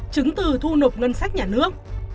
chứng từ thu nộp ngân sách nhà nước